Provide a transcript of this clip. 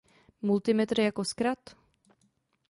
Multimetr jako zkrat?